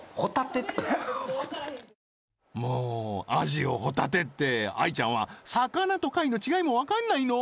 もうアジをホタテって愛ちゃんは魚と貝の違いもわかんないの？